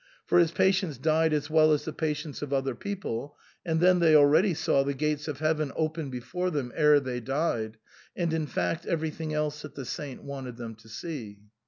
For his patients died as well as the patients of other people, and then they already saw the gates of heaven open before them ere they died, and in fact everything else that the saint wanted them to see.